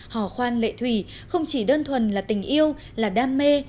hò khoan lệ thủy không chỉ đơn thuần là tình yêu là đam mê